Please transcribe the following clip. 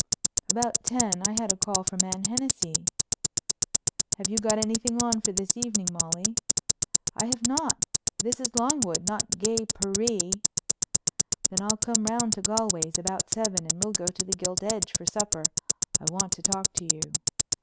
About ten I had a call from Anne Hennessey. "Have you got anything on for this evening, Molly?" "I have not. This is Longwood, not gay Paree." "Then I'll come round to Galways, about seven and we'll go to the Gilt Edge for supper. I want to talk to you."